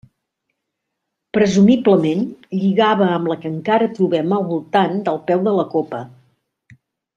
Presumiblement lligava amb la que encara trobem al voltant del peu de la copa.